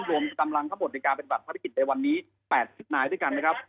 รวมกับตำรังทั้งหมดริกาเป็นแบบภารกิจในวันนี้๘๐หน่ายด้วยกันนะครับ